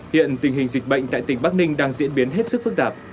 hiện tình hình dịch bệnh tại tỉnh bắc ninh đang diễn biến hết sức phức tạp